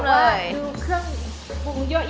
ดูเครื่องปรุงเยอะ